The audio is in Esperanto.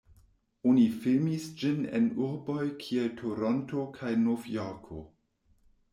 Oni filmis ĝin en urboj kiel Toronto kaj Nov-Jorko.